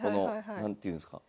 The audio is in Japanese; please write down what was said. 何ていうんすか？